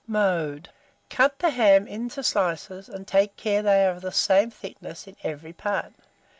Mode. Cut the ham into slices, and take care that they are of the same thickness in every part.